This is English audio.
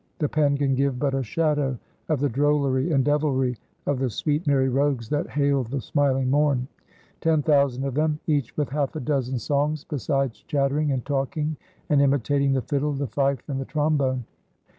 The pen can give but a shadow of the drollery and devilry of the sweet, merry rogues that hailed the smiling morn. Ten thousand of them, each with half a dozen songs, besides chattering and talking and imitating the fiddle, the fife and the trombone.